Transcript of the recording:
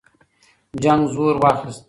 جنګ زور واخیست.